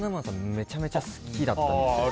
めちゃくちゃ好きだったんです。